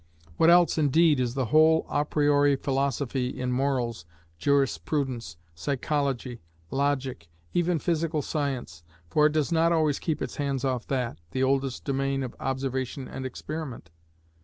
What else, indeed, is the whole a priori philosophy, in morals, jurisprudence, psychology, logic, even physical science, for it does not always keep its hands off that, the oldest domain of observation and experiment?